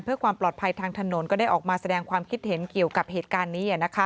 เพื่อความปลอดภัยทางถนนก็ได้ออกมาแสดงความคิดเห็นเกี่ยวกับเหตุการณ์นี้